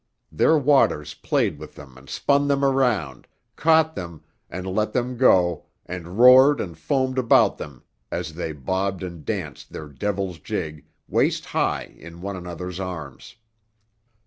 Their waters played with them and spun them round, caught them, and let them go, and roared and foamed about them as they bobbed and danced their devil's jig, waist high, in one another's arms.